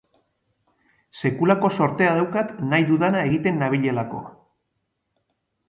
Sekulako zortea daukat nahi dudana egiten nabilelako.